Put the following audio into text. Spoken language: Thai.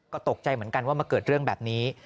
ก็ตกใจเหมือนกันว่ามาเกิดเรื่องแบบนี้